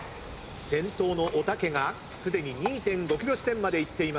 先頭のおたけがすでに２．５ｋｍ地点まで行っています。